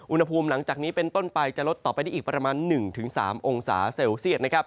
อุณหภูมิหลังจากนี้เป็นต้นไปจะลดต่อไปได้อีกประมาณ๑๓องศาเซลเซียต